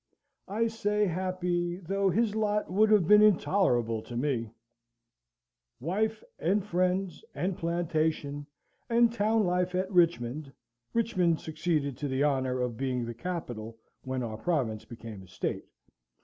I say happy, though his lot would have been intolerable to me: wife, and friends, and plantation, and town life at Richmond (Richmond succeeded to the honour of being the capital when our Province became a State).